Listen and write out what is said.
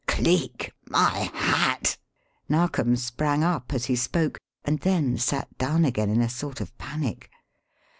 "Cleek! My hat!" Narkom sprang up as he spoke, and then sat down again in a sort of panic.